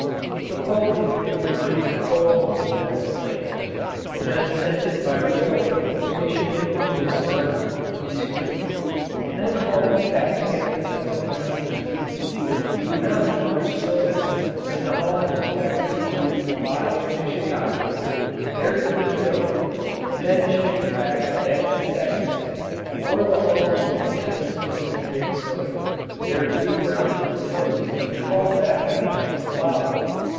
If a coal community mined coal in Pennsylvania, and then sent it by railway to Michigan or Wisconsin to be screened, and then hauled it back again to Pennsylvania for use, it would not be much sillier than the hauling of Texas beef alive to Chicago, there to be killed, and then shipped back dead to Texas; or the hauling of Kansas grain to Minnesota, there to be ground in the mills and hauled back again as flour.